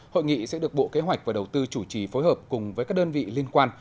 hội nghị sẽ được bộ kế hoạch và đầu tư chủ trì phối hợp cùng với các đơn vị liên quan